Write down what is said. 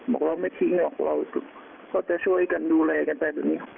บอกว่าไม่ทิ้งหรอกเราก็จะช่วยกันดูแลกันไปแบบนี้